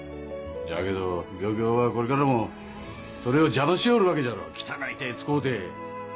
じゃけど漁協はこれからもそれを邪魔しよるわけじゃろ汚い手使うて。